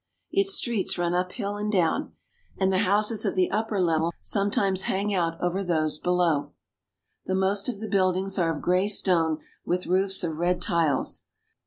Its streets run up hill and down, and the houses of the upper level sometimes hang out over those below. The most of the buildings are of gray stone, with roofs of red tiles.